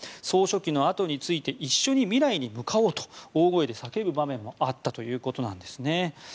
総書記の後について一緒に未来に向かおうと大声で叫ぶ場面もあったということです。